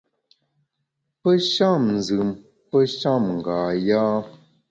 Pe sham nzùm, pe sham nga yâ.